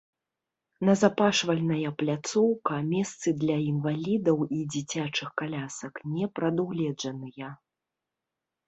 Назапашвальная пляцоўка, месцы для інвалідаў і дзіцячых калясак не прадугледжаныя.